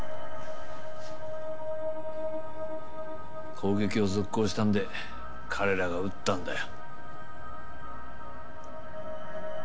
攻撃を続行したんで彼らが撃ったんだよ。